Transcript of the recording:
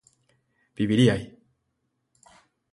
viviríais